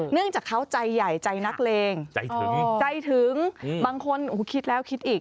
เนื่องจากเขาใจใหญ่ใจนักเลงใจถึงใจถึงบางคนคิดแล้วคิดอีก